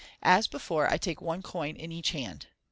As before, I take one coin in each hand."